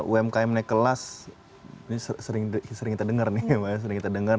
umkm naik kelas ini sering kita dengar nih sering kita dengar